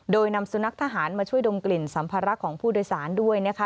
โดยนำสุนัขทหารมาช่วยดมกลิ่นสัมภาระของผู้โดยสารด้วยนะคะ